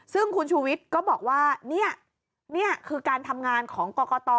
ซึ่งคุณชูวิทย์ก็บอกว่านี่คือการทำงานของกรกต